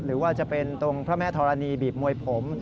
หรือว่าจะเป็นตรงพระแม่ธรณีบีบมวยผม